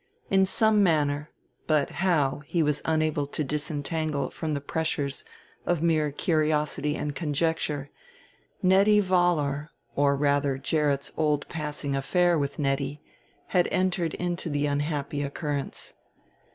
In some manner, but how he was unable to disentangle from the pressures of mere curiosity and conjecture, Nettie Vollar or rather Gerrit's old passing affair with Nettie had entered into the unhappy occurrence.